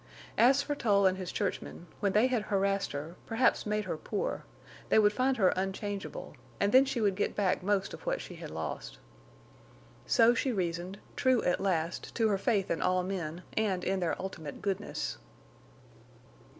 As for Tull and his churchmen, when they had harassed her, perhaps made her poor, they would find her unchangeable, and then she would get back most of what she had lost. So she reasoned, true at last to her faith in all men, and in their ultimate goodness.